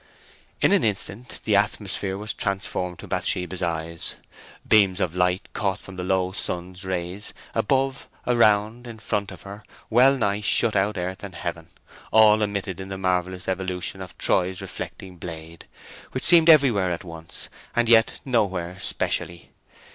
In an instant the atmosphere was transformed to Bathsheba's eyes. Beams of light caught from the low sun's rays, above, around, in front of her, well nigh shut out earth and heaven—all emitted in the marvellous evolutions of Troy's reflecting blade, which seemed everywhere at once, and yet nowhere specially.